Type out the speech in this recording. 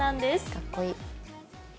かっこいい。